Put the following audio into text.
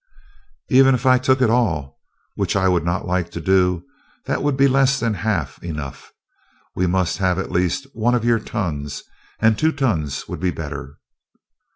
"Even if I took it all, which I would not like to do, that would be less than half enough. We must have at least one of your tons, and two tons would be better."